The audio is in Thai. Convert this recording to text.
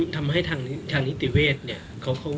ทำให้ทางนิติเวศเนี่ย